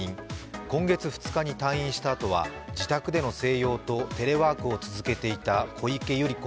今月２日に退院したあとは自宅での静養とテレワークを続けていた小池百合子